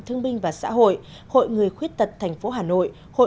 thương binh và xã hội hội người khuyết tật thành phố hà nội